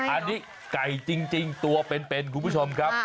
อันนี้ไก่จริงตัวเป็นคุณผู้ชมครับ